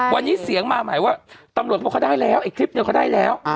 วันนี้เสียงมาใหม่ว่าตำรวจเขาบอกเขาได้แล้วอีกคลิปหนึ่งเขาได้แล้ว